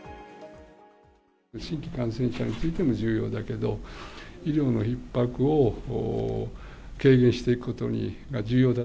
新規感染者についても重要だけど、医療のひっ迫を軽減していくことが重要だ。